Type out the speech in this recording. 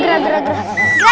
kalian itu apa apaan ya